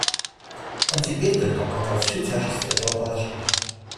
Он теперь только понял всю тяжесть этого положения.